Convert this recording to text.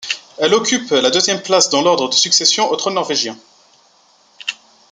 Elle occupe la deuxième place dans l'ordre de succession au trône norvégien.